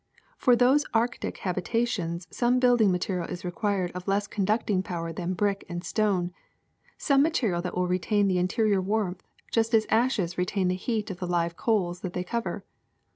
For those arctic habitations some building material is required of less conducting power than brick and stone, some material that will retain the interior warmth just as ashes retain the heat of the live ooals that they cover.